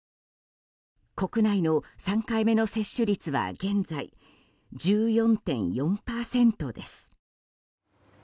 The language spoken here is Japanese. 国内の３回目の接種率は現在、１４．４％です。